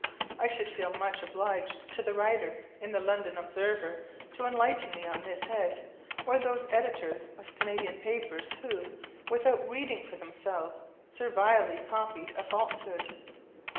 I should feel much obliged to the writer in the London Observer to enlighten me on this head, or those editors of Canadian papers, who, without reading for themselves, servilely copied a falsehood.